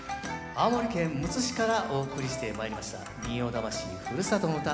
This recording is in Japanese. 青森県むつ市からお送りしてまいりました「民謡魂ふるさとの唄」。